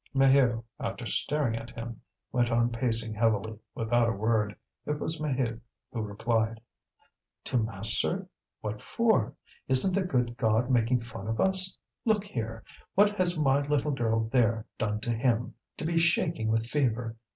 Maheu, after staring at him, went on pacing heavily, without a word. It was Maheude who replied: "To mass, sir? What for? Isn't the good God making fun of us? Look here! what has my little girl there done to Him, to be shaking with fever?